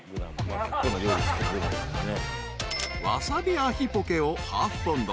［ワサビアヒ・ポケをハーフポンド］